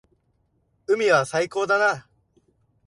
海は最高だな。